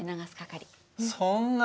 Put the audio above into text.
そんな。